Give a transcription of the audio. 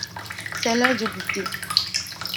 C’est l’heure du goûter.